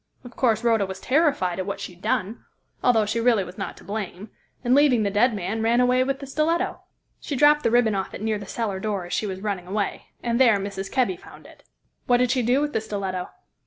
Of course, Rhoda was terrified at what she had done although she really was not to blame and leaving the dead man, ran away with the stiletto. She dropped the ribbon off it near the cellar door as she was running away, and there Mrs. Kebby found it." "What did she do with the stiletto?"